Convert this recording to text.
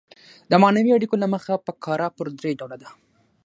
د معنوي اړیکو له مخه فقره پر درې ډوله ده.